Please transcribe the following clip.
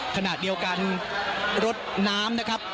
ขณะเดียวกันรถน้ำนะครับ